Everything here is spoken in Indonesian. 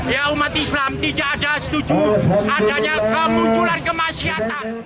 ya umat islam tidak ada setuju adanya kemunculan kemasyatan